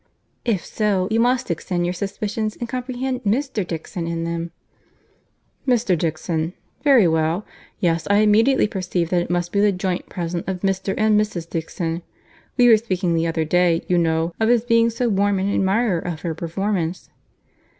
"If so, you must extend your suspicions and comprehend Mr. Dixon in them." "Mr. Dixon.—Very well. Yes, I immediately perceive that it must be the joint present of Mr. and Mrs. Dixon. We were speaking the other day, you know, of his being so warm an admirer of her performance."